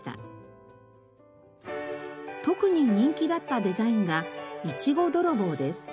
特に人気だったデザインが「いちご泥棒」です。